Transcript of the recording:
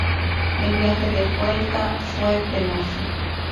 El viaje de vuelta fue penoso.